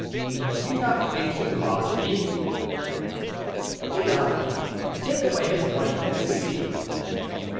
But do you not think he loves me?" "Diable! Take away his wife and see."